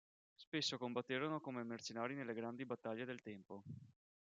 Spesso combatterono come mercenari nelle grandi battaglie del tempo.